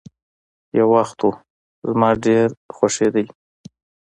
يو وخت وو، زما ډېر خوښيدلو.